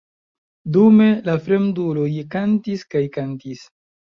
Dume, la fremduloj kantis kaj kantis.